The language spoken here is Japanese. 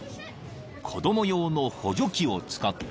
［子供用の補助器を使って］